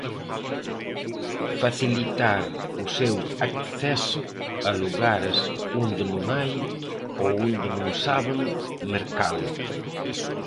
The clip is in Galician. Facilitar o seu acceso a lugares onde non hai ou onde non saben mercalo.